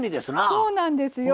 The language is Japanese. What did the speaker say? そうなんですよ。